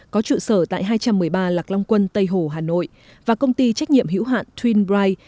có trụ sở tại hai trăm một mươi ba lạc long quân tây hồ hà nội và công ty trách nhiệm hiểu hạn twin bright